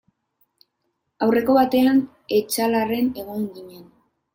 Aurreko batean Etxalarren egon ginen.